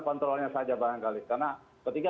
kontrolnya saja barangkali karena ketiga